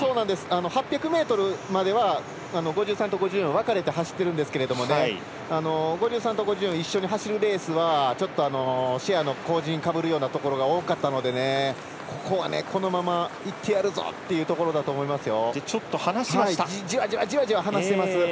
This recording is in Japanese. ８００ｍまでは５３と５４が分かれて走っているんですが５３と５４はちょっとシェアの後塵をかぶるようなところが多かったのでこのままいってやるぞっていうところだと思いますよ。